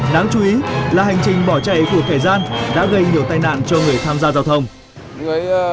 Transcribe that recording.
đáng chú ý là hành trình bỏ chạy của thời gian đã gây nhiều tai nạn cho người tham gia giao thông